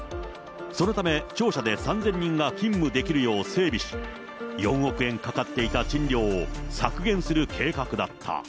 そのため、庁舎で３０００人が勤務できるよう整備し、４億円かかっていた賃料を削減する計画だった。